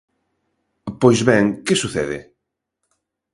Pois ben, ¿que sucede?